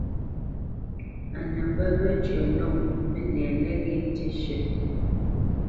A nə mbə́ wecyə̌ nɔ mənɛ nəghé tî shʉ̂ʼ.